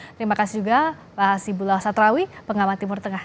terima kasih juga pak hasibullah satrawi pengamat timur tengah